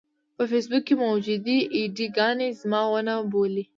په فېسبوک کې موجودې اې ډي ګانې زما ونه بولي.